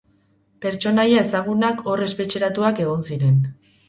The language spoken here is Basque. Pertsonaia ezagunak hor espetxeratuak egon ziren.